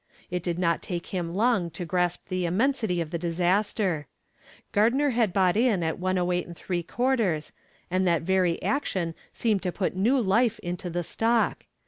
It did not take him long to grasp the immensity of the disaster. Gardner had bought in at 108 3/4, and that very action seemed to put new life into the stock.